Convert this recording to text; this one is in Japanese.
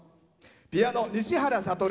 ピアノ、西原悟。